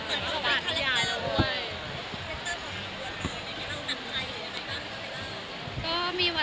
สวัสดีค่ะ